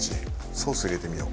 ソース入れてみよう。